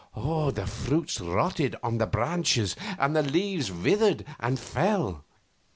The fruits rotted on the branches, and the leaves withered and fell.